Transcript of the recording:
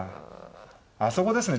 あそこですね。